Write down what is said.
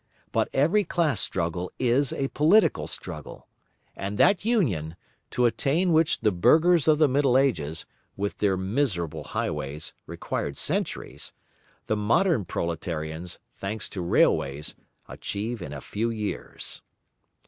But every class struggle is a political struggle. And that union, to attain which the burghers of the Middle Ages, with their miserable highways, required centuries, the modern proletarians, thanks to railways, achieve in a few years.